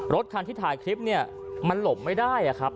รถคันที่ถ่ายคลิปเนี่ยมันหลบไม่ได้ครับ